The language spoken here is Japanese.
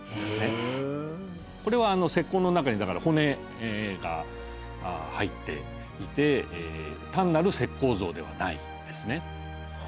これは石膏の中にだから骨が入っていて単なる石膏像ではないんですね。